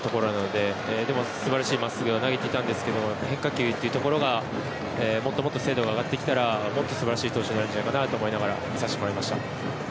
でも、素晴らしい真っすぐを投げていたんですけど変化球のもっともっと精度が上がってきたらもっと素晴らしい投手になるんじゃないかなと思いながら見させてもらいました。